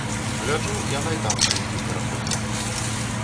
Гляджу, яна і там стаіць у пераходзе.